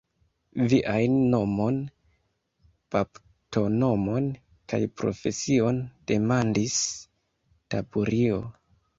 Viajn nomon, baptonomon kaj profesion, demandis Taburio.